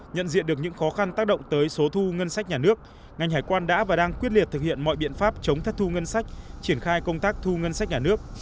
nhận diện được những khó khăn tác động tới số thu ngân sách nhà nước ngành hải quan đã và đang quyết liệt thực hiện mọi biện pháp chống thất thu ngân sách triển khai công tác thu ngân sách nhà nước